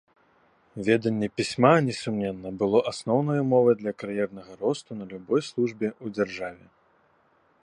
Веданне пісьма, несумненна, было асноўнай умовай для кар'ернага росту на любой службе ў дзяржаве.